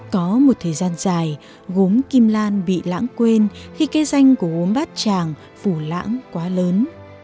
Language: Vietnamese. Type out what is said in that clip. có một thời gian dài gốm kim lan bị lãng quên khi cây xanh của gốm bát tràng phủ lãng quá lớn